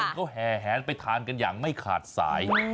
เขาแห่แหนไปทานกันอย่างไม่ขาดสาย